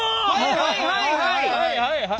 はいはいはいはい！